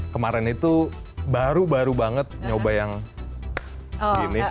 kemarin itu baru baru banget nyoba yang gini